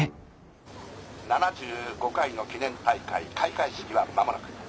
「７５回の記念大会開会式は間もなく。